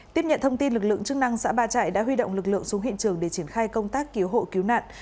tiếp nhận thông tin lực lượng chức năng xã ba trại đã huy động lực lượng xuống hiện trường để triển khai công tác cứu hộ cứu nạn